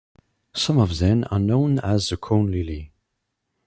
Some of them are known as the corn lily.